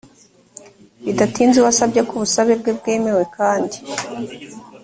bidatinze uwasabye ko ubusabe bwe bwemewe kandi